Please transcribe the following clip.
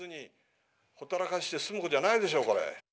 ほったらかして済むことじゃないでしょこれ。